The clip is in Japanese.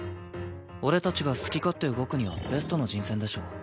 俺たちが好き勝手動くにはベストな人選でしょ。